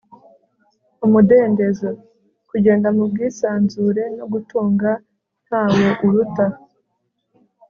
umudendezo - kugenda mu bwisanzure no gutunga ntawo uruta